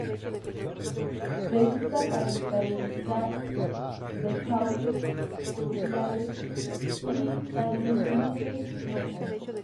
Se usa para estabilización de cauces fluviales y taludes rocosos.